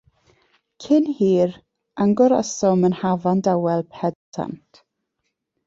Cyn hir, angorasom yn hafan dawel Pedr Sant.